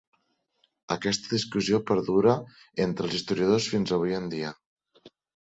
Aquesta discussió perdura entre els historiadors fins avui en dia.